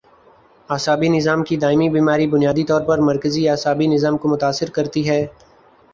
اعصابی نظام کی دائمی بیماری بنیادی طور پر مرکزی اعصابی نظام کو متاثر کرتی ہے